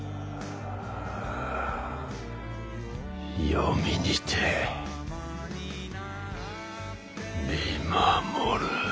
黄泉にて見守る。